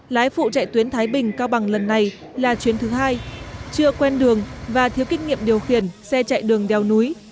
lái phụ chạy tuyến thái bình cao bằng lần này là chuyến thứ hai chưa quen đường và thiếu kinh nghiệm điều khiển xe chạy đường đeo núi